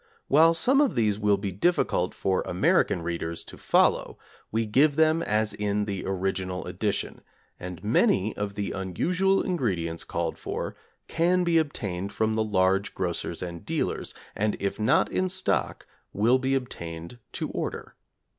While some of these will be difficult for American readers to follow, we give them as in the original edition, and many of the unusual ingredients called for can be obtained from the large grocers and dealers, and if not in stock will be obtained to order.